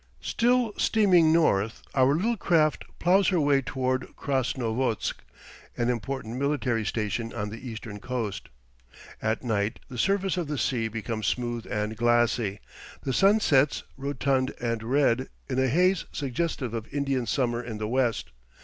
Still steaming north, our little craft ploughs her way toward Krasnovodsk, an important military station on the eastern coast. At night the surface of the sea becomes smooth and glassy, the sun sets, rotund and red, in a haze suggestive of Indian summer in the West.